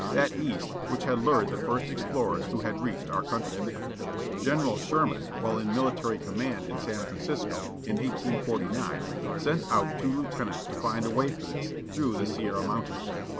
That East which had lured the first explorers who had reached our covintry. General Sherman, while in military command in San Francisco, in 1849, sent out two lieutenants to find a way for this, through the Sierra Mountains.